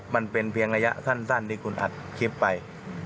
มันเป็นเพียงระยะสั้นที่คุณอัดคลิปไป